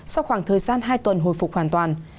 sau khoảng thời gian hai tuần hồi phục hoàn toàn